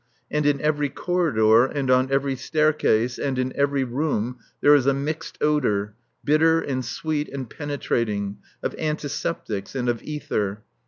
And in every corridor and on every staircase and in every room there is a mixed odour, bitter and sweet and penetrating, of antiseptics and of ether.